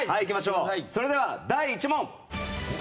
それでは第１問。